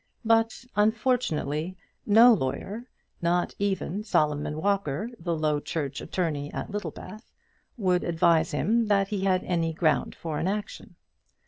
But, unfortunately, no lawyer, not even Solomon Walker, the Low Church attorney at Littlebath, would advise him that he had any ground for an action.